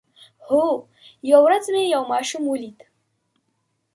هو، یوه ورځ مې یو ماشوم ولید